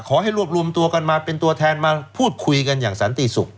ขอให้รวบรวมตัวกันมาเป็นตัวแทนมาพูดคุยกันอย่างสันติสุข